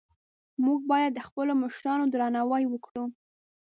موږ باید د خپلو مشرانو درناوی وکړو